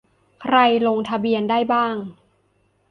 ใครลงทะเบียนได้บ้าง